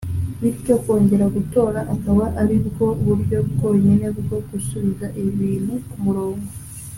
bityo kongera gutora akaba ari bwo buryo bwonyine bwo gusubiza ibintu ku murongo